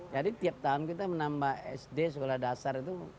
jadi tiap tahun kita menambah sd sekolah dasar itu